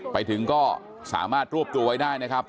ไปถึงก็สามารถรวบตัวไว้ได้นะครับ